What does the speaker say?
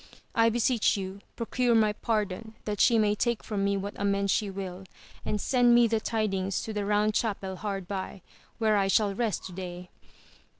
I beseech you procure my pardon that she may take from me what amends she will, and send me the tidings to the Eound Chapel hard by where I shall rest to day.